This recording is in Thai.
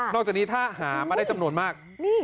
จากนี้ถ้าหามาได้จำนวนมาก